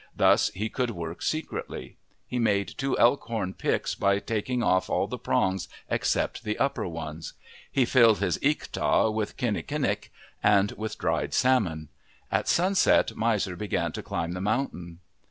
Thus he could work secretly. He made two elk horn picks by taking off all the prongs except the upper ones. He filled his ikta with kinnikinnick, 74 OF THE PACIFIC NORTHWEST and with dried salmon. At sunset Miser began to climb the mountain.